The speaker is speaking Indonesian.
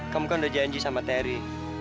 kamu kan udah janji sama terry